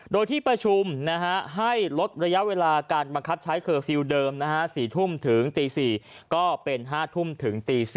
โดยที่ประชุมให้ลดระยะเวลาการบังคับใช้เคอร์ฟิลล์เดิม๔ทุ่มถึงตี๔ก็เป็น๕ทุ่มถึงตี๔